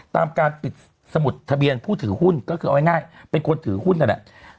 ตามการปิดสมุดทะเบียนผู้ถือหุ้นก็คือเอาง่ายเป็นคนถือหุ้นนั่นแหละ